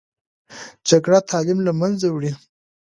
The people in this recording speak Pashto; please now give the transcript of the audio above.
جګړه تعلیم له منځه وړي